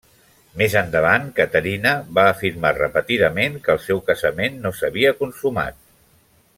Més endavant, Caterina va afirmar repetidament que el seu casament no s'havia consumat.